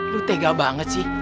lu tega banget sih